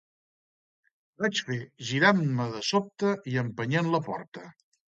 —vaig fer, girant-me de sobte i empenyent la porta.